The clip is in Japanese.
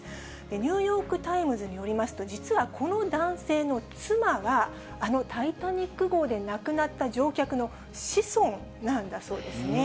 ニューヨーク・タイムズによりますと、実はこの男性の妻が、あのタイタニック号で亡くなった乗客の子孫なんだそうですね。